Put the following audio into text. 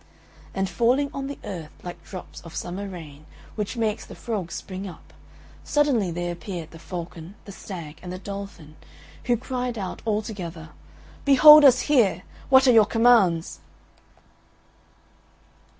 And falling on the earth like drops of summer rain, which makes the frogs spring up, suddenly there appeared the Falcon, the Stag, and the Dolphin, who cried out all together, "Behold us here! what are your commands?"